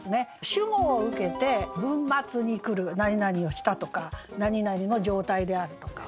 主語を受けて文末に来る「なになにをした」とか「なになにの状態である」とか。